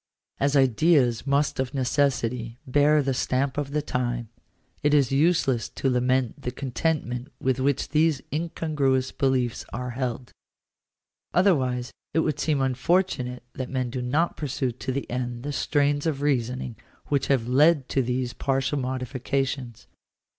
As ideas most of necessity bear the stamp of the time, it is useless to lament the contentment with which these incongruous beliefs are held. Otherwise it would seem unfortunate that men do not pursue to the end the trains of reasoning which have led to these partial modifications.